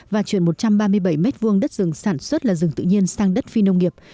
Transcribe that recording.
và chuyển một trăm ba mươi bảy m hai đất rừng sản xuất là rừng tự nhiên sản xuất